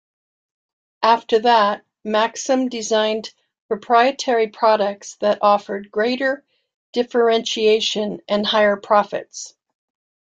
After that, Maxim designed proprietary products that offered greater differentiation and higher profits.